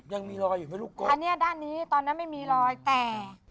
ยังมีรอยอยู่ไหมลูกก้อนอันเนี้ยด้านนี้ตอนนั้นไม่มีรอยแต่